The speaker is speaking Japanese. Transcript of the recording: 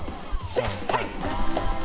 はい！